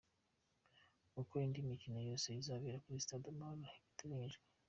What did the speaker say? Uko indi mikino yose izabera kuri stade Amahoro iteganyijwe:.